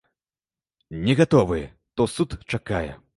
Не гатовы, то суд чакае.